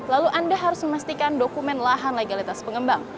lalu anda harus memastikan dokumen lahan legalitas pengembang